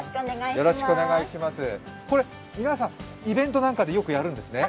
これ皆さん、イベントなんかでよくやるんですね？